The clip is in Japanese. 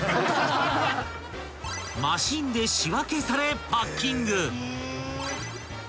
［マシンで仕分けされパッキング］